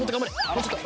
もうちょっと。